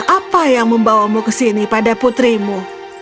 apa yang membawamu ke sini pada putrimu